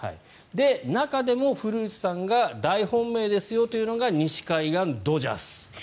中でも古内さんが大本命ですよというのが西海岸、ドジャース。